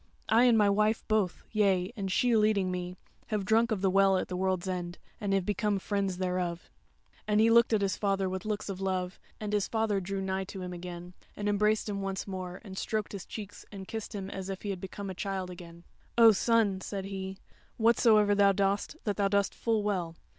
I and my wife both, yea and she leading me, have drunk of the Well at the World's End, and have become Friends thereof." And he looked at his father with looks of love, and his father drew nigh to him again, and embraced him once more, and stroked his cheeks and kissed him as if he had become a child again: "O son," said he, "whatsoever thou dost, that thou dost full well.